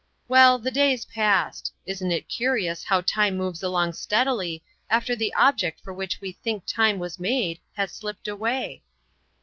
Well, the days passed. Isn't it curious how time moves along steadily, after the object for which we think time was made has slipped away?